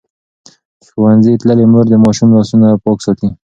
ښوونځې تللې مور د ماشوم لاسونه پاک ساتي.